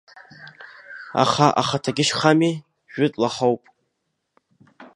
Аха ахаҭагьы шьхами, жәытәла хоуп…